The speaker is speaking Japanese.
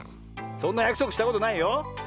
そんなやくそくしたことないよ。